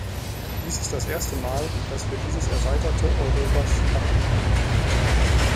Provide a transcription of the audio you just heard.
Dies ist das erste Mal, das wir dieses erweiterte Europas hatten.